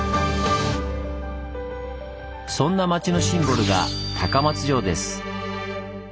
そんな町のシンボルが高松城です。